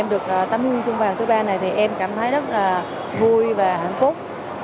em được tấm huy chương bạc thứ ba này thì em cảm thấy rất là vui và hạnh phúc